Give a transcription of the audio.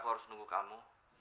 aku akan menunggu kamu